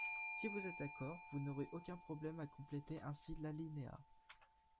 Si vous êtes d’accord, vous n’aurez aucun problème à compléter ainsi l’alinéa.